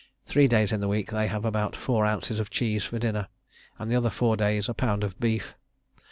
Three days in the week they have about four ounces of cheese for dinner, and the other four days a pound of beef.